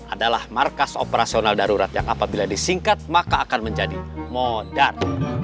adalah markas operasional darurat yang apabila disingkat maka akan menjadi modal